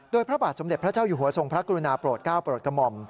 โดยพระบาทสมเด็จพระเจ้าอยู่หัวทรงพระกรุณาโปรดก้าวโปรดกระหม่อม